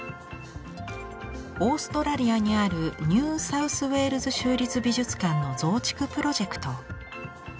オーストラリアにあるニューサウスウェールズ州立美術館の増築プロジェクト。